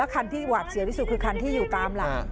คันที่หวาดเสียวที่สุดคือคันที่อยู่ตามหลัง